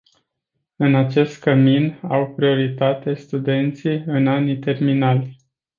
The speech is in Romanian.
În acest cămin au prioritate studenții în ani terminali.